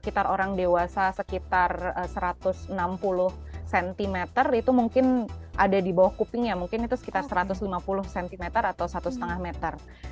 sekitar orang dewasa sekitar satu ratus enam puluh cm itu mungkin ada di bawah kupingnya mungkin itu sekitar satu ratus lima puluh cm atau satu lima meter